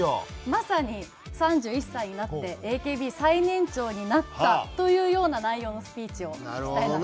まさに３１歳になってＡＫＢ最年長になったというような内容のスピーチをしたいなと。